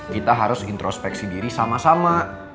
kita harus introspeksi diri sama sama